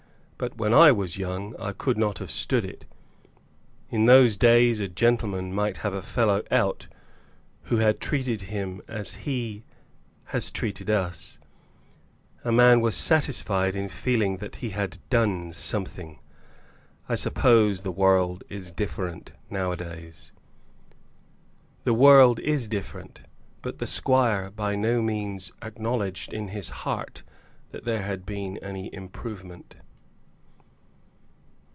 But when I was young I could not have stood it. In those days a gentleman might have a fellow out who had treated him as he has treated us. A man was satisfied in feeling that he had done something. I suppose the world is different now a days." The world is different; but the squire by no means acknowledged in his heart that there had been any improvement.